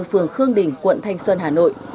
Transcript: phường khương đình quận thanh xuân hà nội